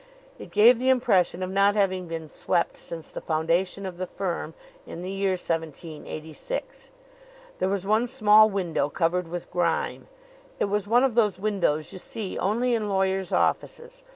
It gave the impression of not having been swept since the foundation of the firm, in the year 1786. There was one small window, covered with grime. It was one of those windows you see only in lawyers' offices.